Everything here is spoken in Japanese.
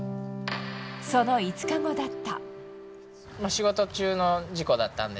その５日後だった。